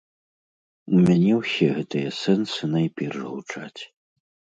У мяне ўсе гэтыя сэнсы найперш гучаць.